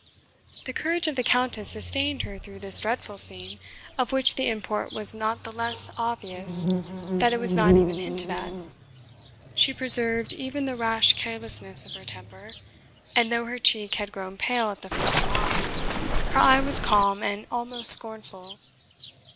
The courage of the Countess sustained her through this dreadful scene, of which the import was not the less obvious that it was not even hinted at. She preserved even the rash carelessness of her temper, and though her cheek had grown pale at the first alarm, her eye was calm and almost scornful.